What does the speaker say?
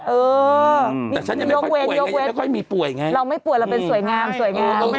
เออแต่ฉันยังไม่ยกเว้นยกเว้นไม่ค่อยมีป่วยไงเราไม่ป่วยเราเป็นสวยงามสวยงามมาก